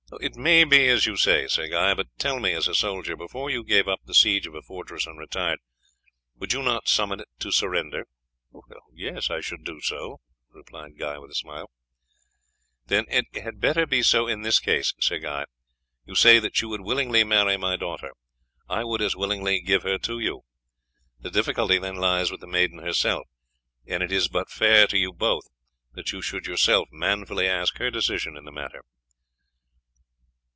"It may be as you say, Sir Guy; but tell me, as a soldier, before you gave up the siege of a fortress and retired would you not summon it to surrender?" "I should do so," Guy replied with a smile. "Then it had better be so in this case, Sir Guy. You say that you would willingly marry my daughter. I would as willingly give her to you. The difficulty then lies with the maiden herself, and it is but fair to you both that you should yourself manfully ask her decision in the matter."